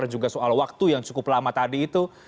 dan juga soal waktu yang cukup lama tadi itu